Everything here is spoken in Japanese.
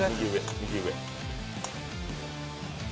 右上。